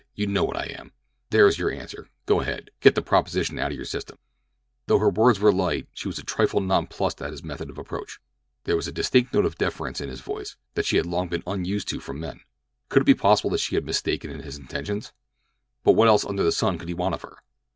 "You know what I am. There is your answer. Go ahead—get the proposition out of your system." Though her words were light, she was a trifle nonplused at his method of approach. There was a distinct note of deference in his voice that she had long been unused to from men. Could it be possible that she was mistaken in his intentions? But what else under the sun could he want of her?